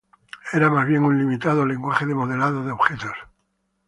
Era más bien un limitado lenguaje de modelado de objetos.